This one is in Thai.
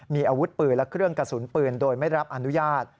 มีอาวุธปืนและเครื่องกระสุนปืนโดยไม่รับอนุญาต